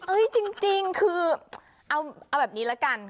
จริงคือเอาแบบนี้ละกัน